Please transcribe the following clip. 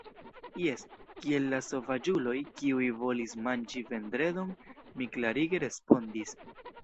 Jes, kiel la sovaĝuloj, kiuj volis manĝi Vendredon, mi klarige respondis.